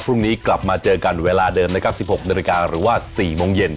พรุ่งนี้กลับมาเจอกันเวลาเดิมนะครับ๑๖๐๐นหรือว่า๑๖๐๐น